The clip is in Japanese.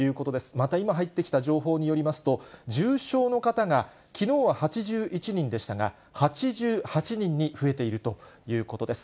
また今入ってきた情報によりますと、重症の方がきのうは８１人でしたが、８８人に増えているということです。